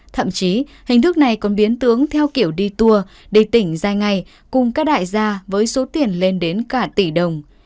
thậm chí hình thức này còn biến tướng theo kiểu đi tour để tỉnh ra ngay cùng các đại gia với số tiền lên đến cả tỷ đồng